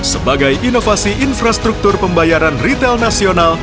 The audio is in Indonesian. sebagai inovasi infrastruktur pembayaran retail nasional